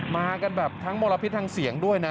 มากันแบบทั้งมลพิษทางเสียงด้วยนะ